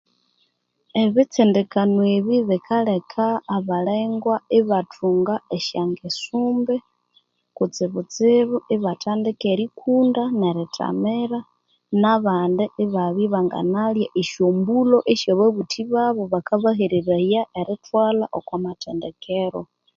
Ebitsindikano ebi bikaleka abalengwa ibathunga esyangeso imbi kutsibutsibu ibatandika erikunda nerithamira nabandi ibabya ibanganalya esyombulho esyobabuthi babu bakabahereraya erithwalha okomathendekero